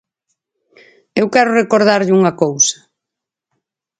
Eu quero recordarlle unha cousa.